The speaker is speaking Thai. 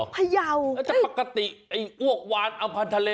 พยาวปกติออกวานอำพันธ์ทะเล